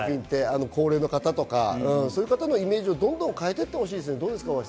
高齢の方とか、そういうイメージをどんどんと変えていってほしいですね。